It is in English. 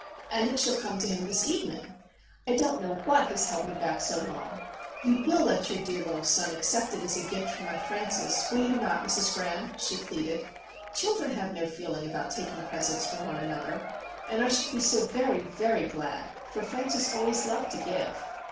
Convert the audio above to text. "And it shall come to him this evening. I don't know what has held me back so long! You will let your dear little son accept it as a gift from my Francis, will you not, Mrs. Graham?" she pleaded. "Children have no feeling about taking presents from one another,—and I should be so very, very glad. For Francis always loved to give!"